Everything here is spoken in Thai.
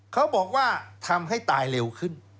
เขาบอกว่าทำให้ตายเร็วขึ้น